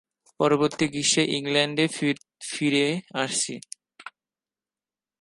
পরবর্তী গ্রীষ্মে ইংলণ্ডে ফিরে আসছি।